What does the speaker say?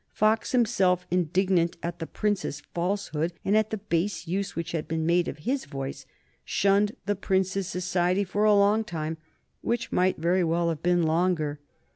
Fox himself, indignant at the Prince's falsehood and at the base use which had been made of his voice, shunned the Prince's society for a long time, which might very well have been longer.